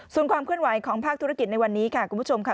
ส่วนความเคลื่อนไหวของภาคธุรกิจในวันนี้ค่ะคุณผู้ชมค่ะ